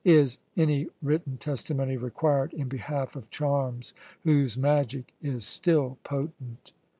Is any written testimony required in behalf of charms whose magic is still potent?"